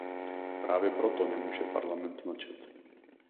Právě proto nemůže Parlament mlčet.